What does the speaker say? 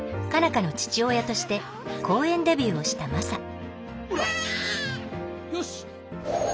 花の父親として公園デビューをしたマサほら！